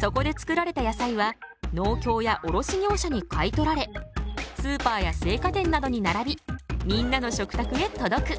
そこで作られた野菜は農協や卸業者に買い取られスーパーや青果店などに並びみんなの食卓へ届く。